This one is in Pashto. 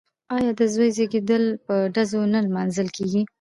آیا د زوی زیږیدل په ډزو نه لمانځل کیږي؟